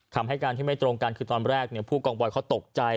คำให้การที่ไม่ตรงกันคือตอนแรกผู้กองบอยเขาตกใจ